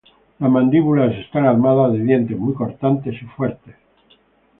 Las mandíbulas están armadas de dientes muy cortantes y fuertes.